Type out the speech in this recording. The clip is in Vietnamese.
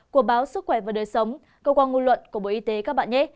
của báo sức khỏe và đời sống cơ quan ngôn luận của bộ y tế các bạn nhé